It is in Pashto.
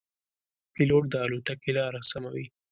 پیلوټ د الوتکې لاره سموي.